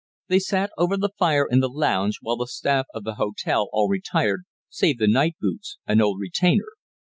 They sat over the fire in the lounge, while the staff of the hotel all retired, save the night boots, an old retainer.